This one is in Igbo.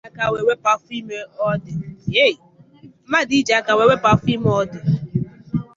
Mmadụ iji aka ya wepụ afọ ime odị.